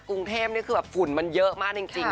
กรุงเทพฯฝุ่นมันเยอะมากจริง